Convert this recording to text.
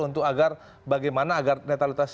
untuk bagaimana agar netralitas